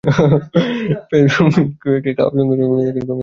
ফেসবুকে কাও সঙ্গে গড়ে ওঠা বন্ধুত্ব থেকে প্রেমের শুভ সূচনা হতে পারে।